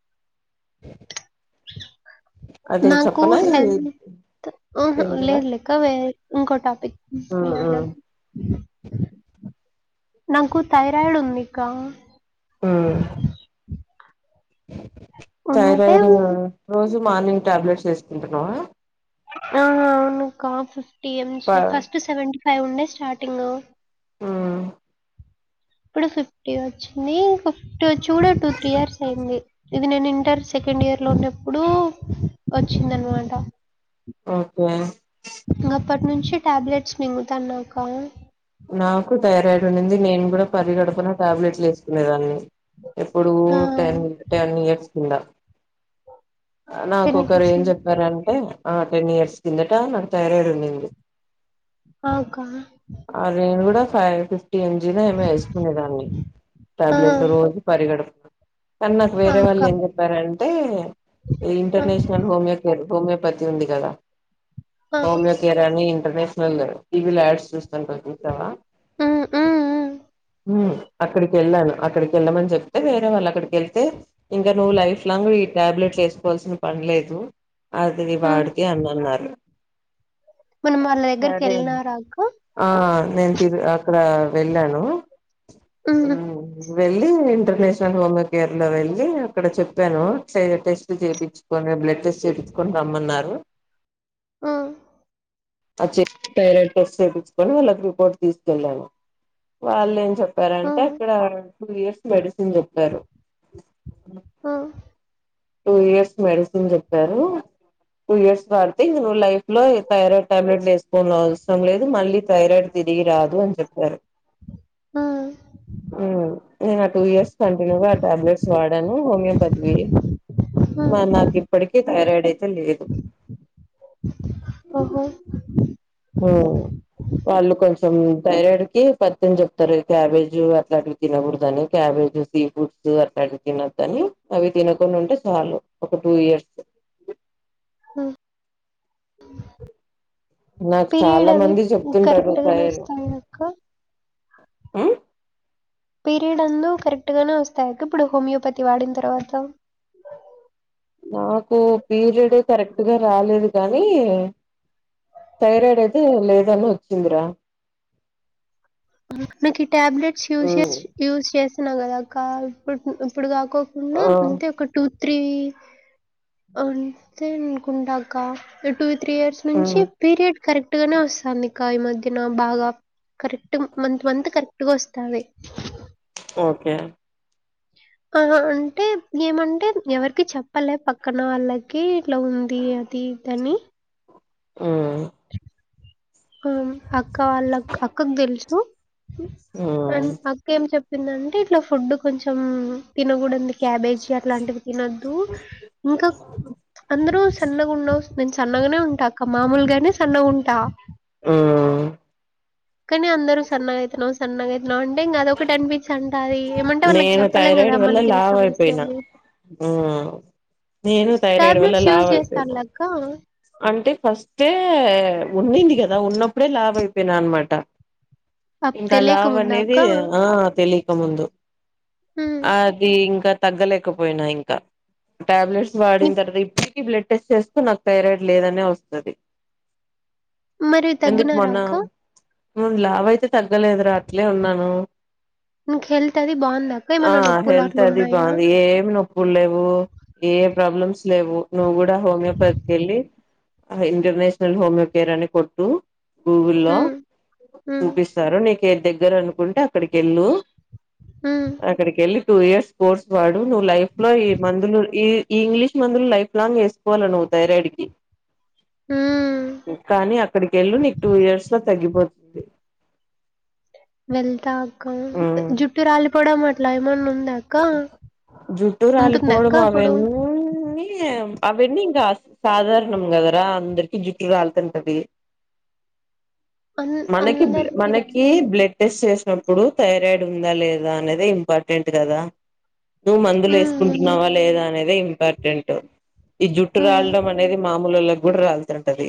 [inaudible] అది నాకు చెప్పనా హెల్త్ ఉహూ ఏందిరా లేదు లేదు కవే ఎంకోటివి నాకు థైరాయిడ్ ఉందికా ఉ ఉంటే థైరాయిడ్ రోజు మార్నింగ్ టాబ్లెట్స్ వేసుకుంటున్నావా హ అవును అక్క ఫిఫ్టీ ప ఎంజీ ఫస్ట్ సెవెన్టి ఫైవ్ ఉండే స్టార్టింగ్ ఊ ఇప్పుడు ఫిఫ్టీ వచ్చింది ఫిఫ్టీ వచ్చి కూడా టూ త్రీ ఇయర్స్ అయింది ఇది నేను ఇంటర్ సెకండ్ ఇయర్ లో ఉన్నప్పుడు వచ్చింది అనమాట ఓకే ఇంగ అప్పటి నుంచి టాబ్లెట్స్ మింగుతాన అక్క నాకు థైరాయిడ్ ఉంది నేను కూడా పరీ గడపన టాబ్లెట్లు వేసుకునేదాన్ని ఇప్పుడు ఆ! టెన్ టెన్ ఇయర్స్ కింద నాకు ఒకరు ఇయర్స్ ఏం చెప్పారంటే ఆ టెన్ ఇయర్స్ కిందట నాకు థైరాయిడ్ ఉండేది నాక అ నేను కూడా ఫైవ్ రుఫ్ ఎంజీ ఏమో వేసుకునే దాన్ని ఆ! టాబ్లెట్ రోజు పరిగడుపున కానీ నాకు ఆ! వేరే అక్క. వాళ్ళు ఏం చెప్పారంటే ఆ! ఇంటర్నేష్ హోమియో హోమియోపతి ఉంది కదా ఆ! హోమియో ని ఇంటర్నేషనల్ టీవీ యాడ్స్ చూస్త చూచావా హ్మ్. హ్మ్. హ్మ్. అక్కడికి వెళ్ళాను అక్కడికి వెళ్ళమని చెప్తే వేరే వాళ్లు అక్కడికి వెళ్తే ఇంకా నువ్వు లైఫ్ లాంగ్ ఈ ట్యాబ్లెట్ వేసుకోవాల్సిన పనిలేదు అదివి హ్మ్. వాడికే అని అన్నారు మళ్ళీ వాళ్ళ దగ్గరికి సరే వెళ్ళినరా అక్క ఆ నేను తిరు అక్కడ వెళ్ళాను హ్మ్. ఉమ్ వెళ్ళి ఇంటర్నేషనల్ హోమ కేర్ లో వెళ్ళి అక్కడ చెప్పాను టెస్ట్ చేయిపించి కొన్ని బ్లడ్ టెస్ట్ చేయిపిచుకోని రమ్మన్నారు హా అది చె థైరాయిడ్ టెస్ట్ చేపిచుకొని వాళ్ళకి రిపోర్ట్ తీసుకెళ్ళాను వాళ్ళు ఏం చెప్ రంటే హ్మ్. అక్కడ టూ ఇయర్స్ మెడిసిన్ చెప్పారు హ టూ ఇయర్స్ మెడిసిన్ చెప్పారు టూ ఇయర్స్ వాడితే ఇంగ నువ్వు లైఫ్లో థైరాయిడ్ టాబ్లెట్ వేసుకోను అవసరం లేదు మళ్ళీ థైరాయిడ్ తిరిగి రాదు అని చెప్పారు హ్మ్. ఉమ్ నేను ఆ టూ ఇయర్స్ కంటిన్యూగా ఆ టాబ్లెట్స్ వాడాను హోమియోపతివి హ్మ్. మరి నాకు ఇప్పటికీ థైరాయిడ్ అయితే లేదు ఓహో ఉమ్ వాళ్ళు కొంచెం థైరాయిడ్ కి పత్తెం చెప్తారు క్యాబేజు అట్లాంటివి తినకూడదని క్యాబేజ్ సీఫుడ్స్ అట్లాంటివి తినొదని అవి తినకుండా ఉంటే సాలు ఒక టూ ఇయర్స్ హుమ్ నాకు పీరియడ్ చాలా అవి మంది చెప్తుంటారు కరెక్ట్గానే థైర్ వస్తాయా అక్క పీరియడ్ అందు కరెక్ట్ గానే వస్తాయి అక్క ఇప్పుడు హోమియోపతి వాడిన తర్వాత నాకు పీరియడు కరెక్ట్గా రాలేదుగానీ థైరాయిడ్ అయితే లేదని వచ్చిందిరా నాకు ఈ టాబ్లెట్స్ యూస్ యూజ్ చేస్తున్నావు కదాక్క ఇప్పు ఇప్పుడు కాకో కుండ ఆ అంటే ఒక టూ త్రీ అంతే అనుకుంట అక్క టూ త్రీ ఇయర్స్ నుంచి పీరియడ్ కరెక్ట్గానే వస్తుంది కా ఈ మధ్యన బాగా కరెక్ట్ ట్ మంత్ మంత్ కరెక్ట్గా వస్తాది ఒకే ఆ అంటే ఏమంటే ఎవరికి చెప్పాలే పక్కన వాళ్ళకి ఇట్లా ఉంది అ ది దని ఉమ్మ్ ఉమ్ అక్క వాళ్ళక్ అక్కకు తెలుసు అండ్ అ ఏం చెప్పిందంటే ఇట్లా ఫుడ్ కొంచెం తినకూడంది క్యాబేజీ అట్లాంటివి తినద్దు ఇంకా అందరూ సన్నగున్నవ్ నేను సన్నగనే ఉంటాక్క మామూల్గానే సన్నగఉంటా ఉమ్ కానీ అందరూ సన్నగాయ్తునావ్ సన్నగాయ్తునవ్ అంటే అదొకటి అనిపి సంటది ఏమంటే వాళ్ళకి నేను చెప్పలేం గదా థైరాయిడ్ వల్ల మనకి ఈ లావు అయిపోయినా సమస్యాని మ్మ్ నేను థైరాయిడ్ వల్ల టాబ్లెట్స్ యూజ్ లావు అయిపోయినా చేస్తాలక్క అంటే ఫస్టే ఉన్నింది కదా ఉన్నప్పుడే లావు అయిపోయినా అనమాట అప్ ఇంక తెలియక ముందా అక్క? లావనేది ఆ తెలియకముందు హ్మ్. అది ఇంకా తగ్గలేకపోయినా ఇంకా టాబ్లెట్స్ వాడిన ఇప్ తర్వాత ఇప్పు బ్లడ్ టెస్ట్ చేస్తే నాకు థైరాయిడ్ లేదనే వస్తది మరి ఎందుకు తగ్గినారా మొన్న అక్క? లావ అయితే తగ్గలేదురా అట్లే ఉన్నాను నీకు హెల్త్ అది బావుందా అక్క? ఆ ఏమన్నా నొప్పులు హెల్త్ అది అట్లున్నాయా? బాగుంది ఏమ్ ను నొప్పులు లేవు ఏ ఏ ప్రాబ్లమ్స్ లేవు నువ్వు కూడా హోమియోపతికి వెళ్ళి ఇంటర్నేషనల్ హోమియోకేర్ అని కొట్టు గూగుల్లో లో హ్మ్. హ్మ్. చూపిస్త సారు నీక దగ్గర అనుకుంటే అక్కడికి వెళ్ళు ఉం అక్కడికెళ్ళి టూ ఇయర్స్ కోర్స్ వాడు నువ్వు లైఫ్లో ఈ మందులు ఈ ఈ ఇంగ్లీష్ మందులు లైఫ్ లాంగ్ వేస్త కోవాలా నువు థైరాయిడ్కి హ్మ్. కానీ అక్కడికెళ్ళు నీకు టూ ఇయర్స్లో తగ్గిపోతుంది వెళ్తా అక్క ఉమ్ జుట్టు రాలిపోవడం అట్లా ఏమన్నా ఉంద అక్క జుట్టు ఉంటుందా అక్క రాలిపోవడము అప్పుడు? అవన్నీ అవన్నీ ఇంకా సాధారణం గదరా అందర్కి జుట్టు రాళ్తుంటది అన్ మనకి బ్ల అందరికీ రా మనకి బ్లడ్ టెస్ట్ చేస్నప్పుడు థైరాయిడ్ ఉందా లేదా అనేది ఇంపార్టెంట్ గదా నువ్వు మందులు హ్మ్. హ్మ్. వేసుకుంటున్నావా లేదా అనేది ఇంపార్టెంట్ ఈ జుట్టు హ్మ్. రాలడం అ అనేది మామూలులొల్లకి కూడా రాళ్తుంటది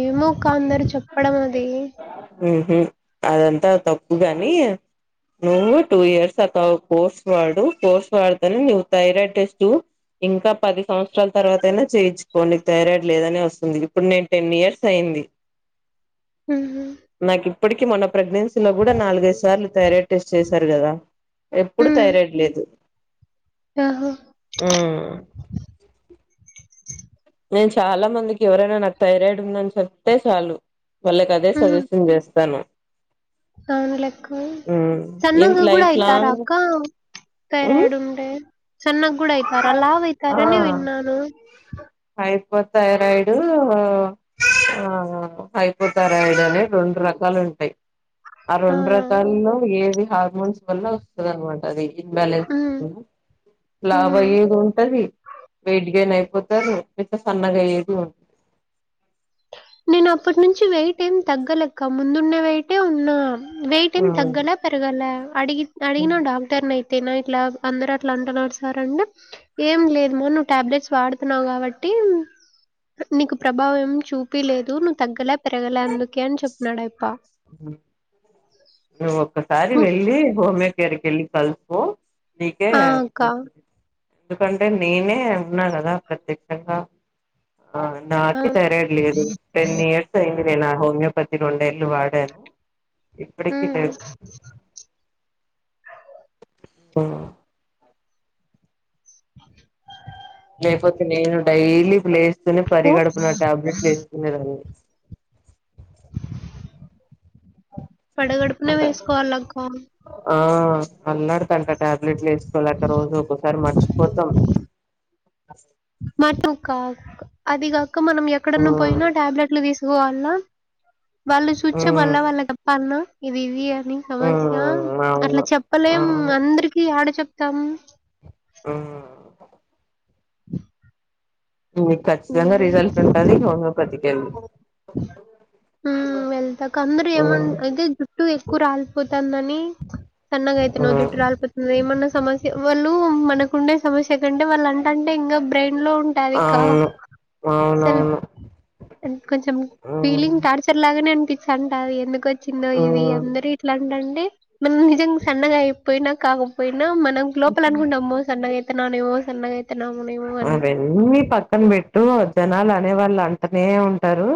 ఏమో అక్క అందరు చెప్పడం అది ఉ హుమ్ అదంతా తప్పుగాని నువ్వు టూ ఇయర్స్ సక్కగా కోర్స్ వాడు కోర్స్ వాడ్తేనే థైరయిడ్ టెస్టూ ఇంకా పది సంవత్సరాల్ తర్వాత అయినా చేయించుకోండి థైరాయిడ్ లేదనేవస్తుంది ఇప్పుడు నేన్ టెన్ఇయర్స్ అయింది హూ హుమ్ నాకు ఇప్పటికీ మొన్న ప్రెగ్నెన్సీలో కూడా నాలుగైదు సార్లు థైరాయిడ్ టెస్ట్ చేశారు కదా ఎప్పుడు థైరాయిడ్ లేదు ఆహో ఉం నేను చాలా మందికి ఎవరైనా నాకు థైరాయిడ్ ఉందని చెప్తే చాలు వాళ్ళక్ అదే సజెషన్ జేస్తాను కావున క్కువ [unintelligible] ఏం సన్నగ్గూడా లైఫ్ అయితారా లాంగ్ అక్క ఉమ్ థైరాయిడున్టే సన్నగూడా అయితార లావు అయితారని విన్నాను హైపోథైరాయిడు ఆ హైపో థైరాయిడ్ అని రెండు రకాలు ఉంటాయి ఆ రెండ్రకాల్లో ఏది హార్మోన్స్ వల్ల వస్తుందనమాట అది ఇన్బ్యాలెన్స్ హ్మ్. లావ్ హ్మ్. అయ్యేది ఉంటది వెయిట్గెన్ అయిపోతరు ఇంకా సన్నగా అయ్యేది ఉంటది నేను అప్పట్నుంచి వెయిట్ ఏమ్ తగ్గలక్క ముందున్నే వెయిటే ఉన్నా వెయిటెమ్ తగ్గల పెరగాలే అడిగి అడిగిన డాక్టర్ని అయితేనా ఇట్లా అందరు అట్లా అంటున్నారు సార్ అంటే ఏం లేదమా నువ్వు టాబ్లెట్స్ వాడుతున్నావు కాబట్టి నీకు ప్రభావం ఏం చూపు చెప్పి లేదు నువ్వు తగ్గలే పెరగలే అందుకే అని చెప్పినన్నాడ అయప్ప హ నువ్ ఒక్కసారి హ్మ్. వెళ్ళి హోమోకేర్కి వెళ్ళి కల్సుకో నీకే ఆ! అక్క. ఎందుకంటే నేనే ఉన్నా కదా ప్రత్యక్షంగా ఆ నాకి థైరాయిడ్ లేదు టెన్ ఇయర్స్ అయింది నే నా హోమియోపతి రెండెల్లు వాడ్ తెను ఇప్పటికి హ్మ్. లేదు ఆ లేకపోతే నేను డైలీ లేస్తనే సో, పరిగడుపున టాబ్లెట్లు లేసుకునే దాన్ని పడగడపునే అట వేస్కోవాలాక్క ఆ అల్లడ్తంటా టాబ్లెట్లు వేస్కోలేక రోజూ ఒక్కొక్సరి మర్చిపోతాం మనం కక్ అది కాక మనం ఎక్కడన్నా ఉమ్ పోయినా టాబ్లెట్ ట్లు తీసుకోవాలన్నా వాళ్ళు చూచే వాల్ల ఉమ్ వాళ్ళ తప్పాలన్నా ఇది ఇవి అని సమస్య ఉమ్ అట్లా అవును చెప్పలేం అవును అందరికి ఆడ చెప్తాము ఆ అ మీకు ఖచ్చితంగా రిజల్ట్ ఉంటది హోమియోపతికి వెళ్ ఉ వెళ్త కంగరు ఏమ అయితే జుట్టు ఎక్కువ రాలిపోతుందని సన్నగయితున్నావ్ ఉమ్ జుటు రాల్పత్ ఏమన్నా సమస్య వాళ్ళు మనకుండే సమస్య కంటే వాళ్ళు అంట అంటే ఇంకా బ్రెయిన్ లో టవిక అవును సెమ్ అవునవును ఇంకొంచెం ఉమ్ ఫీలింగ్ నుచర్ లాగానే అనిపిస్థాంటది ఎందుకు వచ్చిందో ఇవి ఉమ్ అందరు ఇట్లాంట అండి మనం నిజంగా సన్నగా అయిపోయినా కాకపోయినా మనం లోపల అనుకుంటాము అమ్మో సన్నగా అయి ఎతేన్నా నేవో సన్నగా అయితన్నవునేవు అని అన్నీ పక్కన పెట్టు జనాలు అనే వాళ్ళు అంటనే ఉంటారు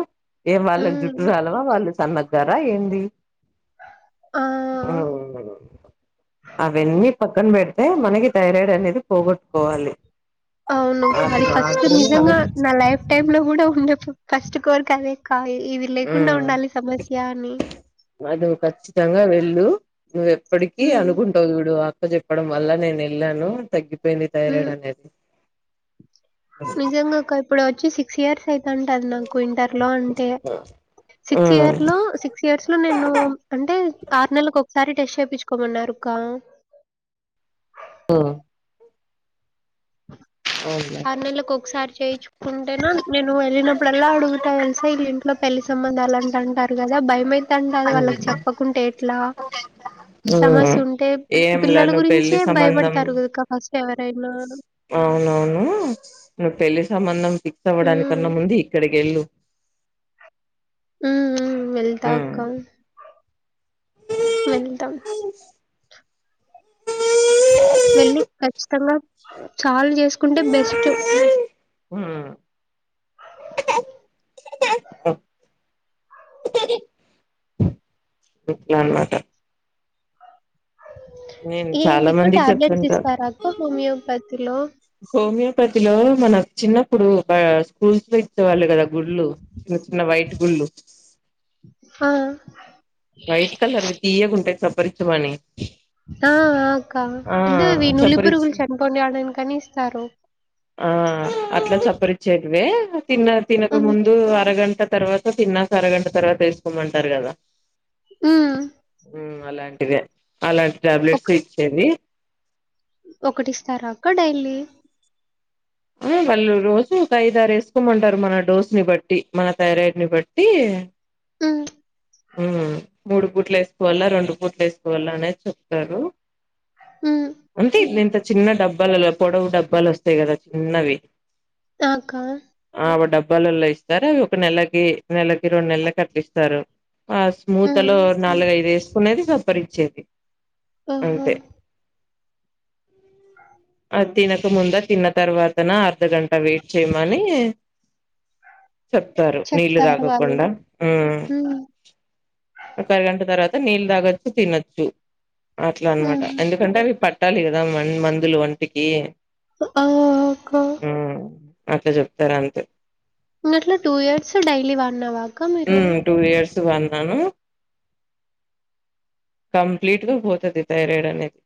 ఏం వాళ్ళకి జుట్టు హ్మ్. రాలవా వాళ్ళు సన్నగారా ఏంది ఆ! ఒ ఓ అవన్నీ పక్కన పెడితే మనకి థైరాయిడ్ అనేది పోగొట్టుకోవాలి అవును అది కాది ఫస్ట్ మాత్రమే నిజంగా ఆలోచించి నా లైఫ్ టై లో కూడా ఉండే ఫస్ట్ కోరిక అదే కా ఇవి లేకుండా ఉండాలి సమస్య అని ఐతే నువ్వు ఖచ్చితంగా వెళ్ళు నువ్వు ఎప్పటికిీ హ్మ్. అనుకుంటావు చూడు ఆ క్క చెప్పడం వల్ల నేను వెళ్ళాను తగ్గి దేందీ థైరాయిడ్ హ్మ్. అనేది ఇప్పుడు వచ్చి సిక్స్ ఇయర్స్ అయితంటంది నాకు ఇంటర్ లో అంటే సిక్స్ ఉమ్ ఇయర్ లో సి సిక్స్ ఇయర్స్ లో నేను అంటే ఆరు నెలకు ఒకసారి టెస్ట్ చేయించుకోమన్నారుక్క ఒ అవును అరనెల కొక్సారి చేయిచ్చు ఉంటేనా నేను వెళ్ళినప్పుడల్లా అడుగుతా తెలిసా ఇళ ఇంట్లో పెళ్లి సంబంధాలు అంట అంటారు కదా భయం మై తంటది వాళ్ళకి చెప్పకుంటే ఎట్లా ఉమ్ సమస్య ఉంటే ఏంలా పిల్లల నువ్వు పెళ్లి గురించే సంబంధం భయపడతారు కదక ఫస్ట్ ఎవరైనా అవునవును నువ్వు పెళ్ళి సంబంధం ఫిక్స్ అవ్వడానికన్న హ్మ్. ముందు ఇక్కడికి వెళ్ళు ఉ ఊ వెళ్తా ఉమ్ అక్క వెళ్తా ఉ వేళ్లు ఖచ్చితంగా చాల్ చేసుకుంటే బెస్ట్ హ ఎక్కనాట నేను చాలా ఏంటికు మందికి టాబ్లెట్స్ చెప్తుంటా ఇస్తారాక హోమియోపతి లో హోమియోపతి లో మన చిన్నప్పుడు బ స్కూల్స్ లో ఇచ్చేవాళ్ళు కదా గుళ్లు చిన్న చిన్న వైట్ గుళ్ళు హా వైట్ కలర్వి తీయగా ఉంటాయి చప్పరించమని ఆ అ అక్క అదోవి నులి చప్పరిచ్చ పురుగులు చనిపోనీడానికి ఇస్తారు ఆ అట్లా చప్పరిచ్చేటివే తిన్న తినక హ్మ్. ముందు అరగంట తర్వాత తిన్నాక అరగంట తర్వాత వేసుకోమంటారు కదా మ్ మ్ అలాంటిదే అలాంటి టాబ్లెట్స్ ఇచ్చేది ఒకటి ఇస్తారా అక్కడైల్లీ ఆ వాళ్ళు రోజు ఒక ఐదారు వేసుకోమంటారు మన డోస్ ని బట్టి మన థైరాయిడ్ ని బట్టి హ్మ్. హ్మ్ మూడు పూట్ల వేసుకోవాలా రెండు పూట్ల వేసుకోవాలా అనేది చెప్తారు హ్మ్. అంతే ఇది ఇంత చిన్న డబ్బాలలో పొడవు డబ్బాలు వస్తాయి కదా చిన్నవి తాకా ఆ డబ్బాలల్లో ఇస్తారు అవి ఒక నెలకి నెలకి రెండు నెలలు కట్టిస్తారు ఆ స్మూత్ లో హ్మ్. నాలుగఐదు వేసుకునేది సప్పరిచ్చేది ఆహా! అంతే అద్ తినకముంద తిన్న తర్వాతన అర్ధగంట వెయిట్ చేయమని చెప్తారు నీళ్లు చెప్తారు వాళ్ళు. తాగకుండా ఆ హ్మ్. ఒక అరగంట తర్వాత నీళ్ళు తాగొచ్చు తినొచ్చు అట్లా అనమాట హ్మ్. ఎందుకంటే అవి ప పట్టాలి కదా మ మందులు వంటికి ఆ! ఆ! అక్క. మ్ అట్లా చెప్తారు అంతే ఇంకట్లా టూ ఇయర్స్ డైలీ వన్ అవగా మీరు ఉమ్ టూ ఇయర్స్ వన్నాను కంప్లీట్ గా పోతది థైరాయిడ్ అనేది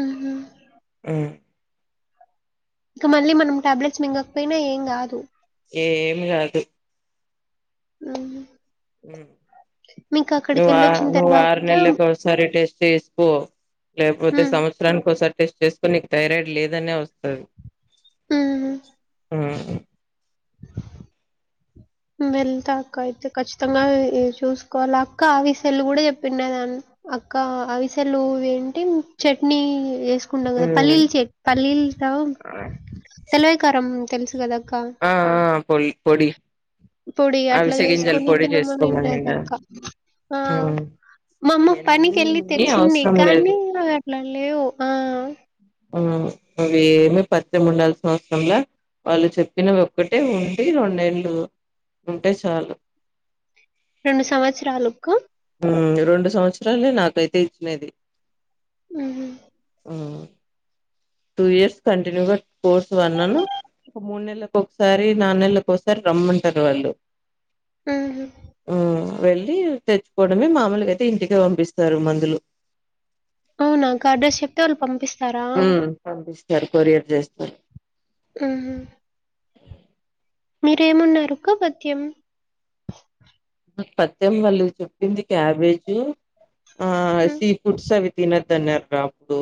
ఆహ ఆ ఇక మళ్ళీ మనం ట్యాబ్లెట్స్ మింగకపోయినా ఏం గాదు ఏం కాదు అవునా ఉమ్ నువ్వు ఆ నువ్వు తర్వాత ఆరునెళ్ళకి ఒకసారి టెస్ట్ చేసుకో లేకపోతే హ్మ్. సంవత్స త్సరానికి ఒకసారి టెస్ట్ చేసుకో నీకు థైరాయిడ్ లేదనే వస్తది ఆహా ఆ [inaudible] వెళ్తా అక్క అయితే ఖచ్చితంగా చూసుకోవాలి అక్క ఆవిసెల్లు కూడా చెప్పండదాన్ని అక్క అవిసెలు ఏంటి చట్నీ వేసు కుందాం కదా ఉమ్ పల్లీలు చెట్నీ పల్లీలు రా ఆ తెలవకారం తెలుసు కదక్క ఆ ఆ పొడి పొడి పొడి అట్లా అవిసె గింజలు చేసుకొని చేసుకోమనిండా తినమనిండలేదక్క ఆ ఉమ్ మా అమ్మ పనికి వెళ్ళి ఇయన్నీ తెచ్చింది అవసరం లేదు కానీ అట్లా లేవు ఆ ఆ అవి ఏమి పత్యము ఉండాల్సిన అవసరంలే వాళ్ళు చెప్పినవి ఒక్కటే ఉండి రెండేళ్ళు ఉంటే చాలు రెండు సంవత్సరాలకు రెండు సంవత్సరాలే నాకైతే ఇచ్చినది ఉ మ్ టూ ఇయర్స్ కంటిన్యూగా కోర్స్ వన్నాను ఒక మూడు నెలలకు ఒకసారి నాలు నెల్లకు ఒకసారి రమ్మంటారు వాళ్ళు మ్ మ్ వెళ్ళి తెచ్చుకోవడమే మామలుగాయితే ఇంటికే పంపిస్తారు మందులు అవునా అడ్రస్ చెప్తే వాళ్ళ పంపిస్త హ్మ్ పంపిస్తారు కొరియర్ చేస్తారు ఉ హుమ్మ్ మీరేమున్నారక్కపత్యం పత్యం వాళ్ళు చెప్పింది క్యాబేజ్ ఆ ఉ సి ఫుడ్స్ అవి తినొద్దు అన్నారు రా అప్పుడు